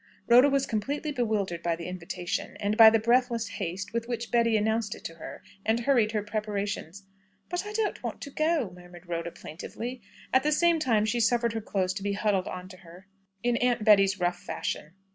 Rhoda was completely bewildered by the invitation, and by the breathless haste with which Betty announced it to her, and hurried her preparations. "But I don't want to go!" murmured Rhoda plaintively. At the same time she suffered her clothes to be huddled on to her in Aunt Betty's rough fashion.